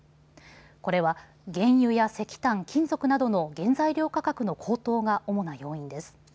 これは原油や石炭、金属などの原材料価格の高騰が主な要因です。